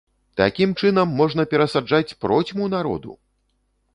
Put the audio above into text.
Такім чынам можна перасаджаць процьму народу!